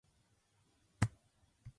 カルト教祖かつ死刑囚だった。